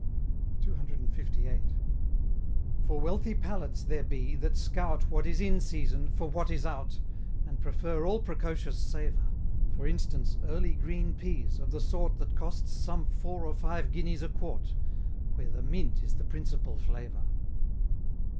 CCXLVIII. For wealthy palates there be, that scout What is in season, for what is out, And prefer all precocious savor: For instance, early green peas, of the sort That costs some four or five guineas a quart; Where the Mint is the principal flavor.